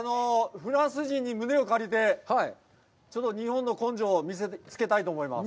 フランス人に胸をかりて、日本の根性を見せつけたいと思います。